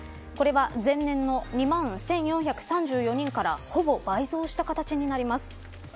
これは前年の２万１４３４人からほぼ倍増した形になります。